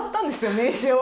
名刺を。